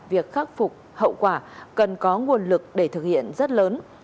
việc khắc phục hậu quả cần có nguồn lực để thực hiện rất lớn